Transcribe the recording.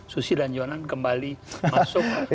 susi dan jonan kembali masuk